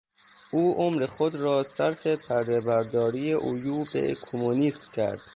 او عمر خود را صرف پردهبرداری عیوب کمونیسم کرد.